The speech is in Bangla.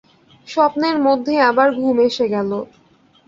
স্বপ্নের মধ্যেই আবার ঘুম এসে গেল।